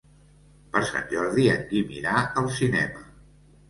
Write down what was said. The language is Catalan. Per Sant Jordi en Guim irà al cinema.